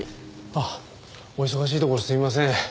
あっお忙しいところすいません。